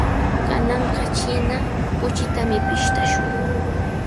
Kananqa china kuchitami pishtashun.